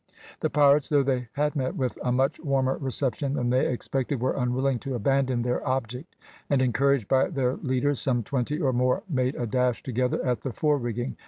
The pirates, though they had met with a much warmer reception than they expected, were unwilling to abandon their object, and encouraged by their leaders, some twenty or more made a dash together at the fore rigging.